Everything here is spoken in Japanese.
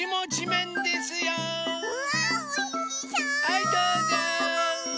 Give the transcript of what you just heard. はいどうぞ。